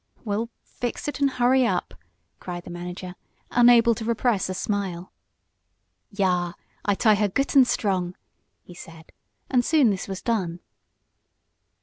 "Well, fix it, and hurry up!" cried the manager, unable to repress a smile. "Yah! I tie her goot und strong," he said, and soon this was done.